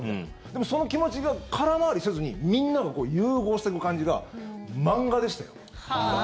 でもその気持ちが空回りせずにみんなが融合していく感じが漫画でしたよ。